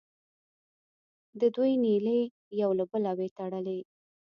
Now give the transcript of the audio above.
د دوی نیلې یو له بله وې تړلې.